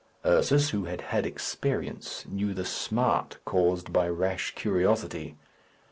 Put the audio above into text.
Ursus, who had had experience, knew the smart caused by rash curiosity.